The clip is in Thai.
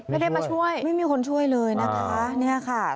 ไม่ได้มาช่วยไม่มีคนช่วยเลยนะคะ